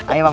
ayo ke pen